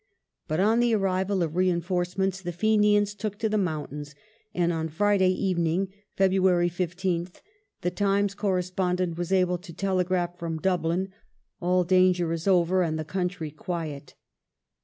But on the arrival of reinforcements the Fenians took to the mountains, and on Friday evening (Feb. 15th) The Times correspondent was able to telegraph from Dublin : "All danger is over and the country quiet